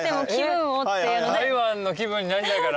台湾の気分になりたいから？